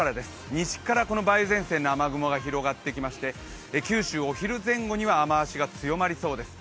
西から梅雨前線の雨雲が広がってきて九州、お昼頃には雨雲が広がってきそうです。